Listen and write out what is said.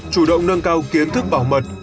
chủ động nâng cao kiến thức bảo mật